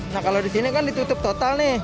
nah kalau di sini kan ditutup total nih